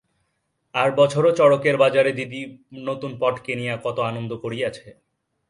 আর-বছরও চড়কের বাজারে দিদি নতুন পট কিনিয়া কত আনন্দ করিয়াছে।